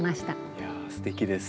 いやあすてきです。